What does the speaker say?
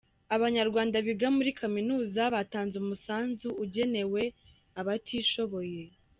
Abanyarwanda biga muri Kaminuza batanze umusanzu ugenewe abatishoboye